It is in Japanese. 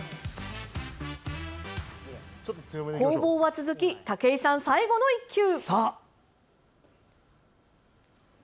攻防は続き、武井さん最後の１球。